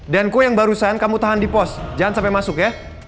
dan kue yang barusan kamu tahan di pos jangan sampai masuk ya